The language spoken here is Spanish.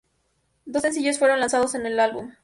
Dos sencillos fueron lanzados en el álbum.